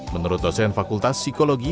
menurut dosen fakultas psikologi